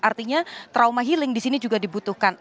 artinya trauma healing di sini juga dibutuhkan